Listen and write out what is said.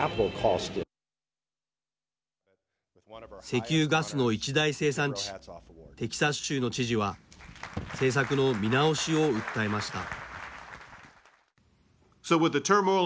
石油・ガスの一大生産地テキサス州の知事は政策の見直しを訴えました。